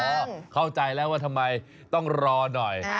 ได้ยินหรือยังเข้าใจแล้วว่าทำไมต้องรอหน่อย